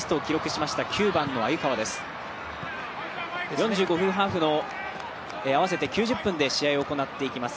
４５分ハーフの合わせて９０分で試合を行っていきます。